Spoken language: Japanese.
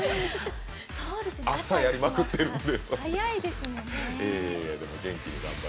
朝、やりまくってるんで。